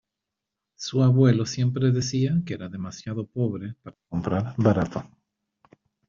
Su abuelo siempre decía que era demasiado pobre para comprar barato.